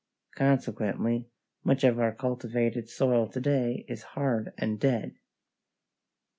Consequently much of our cultivated soil to day is hard and dead.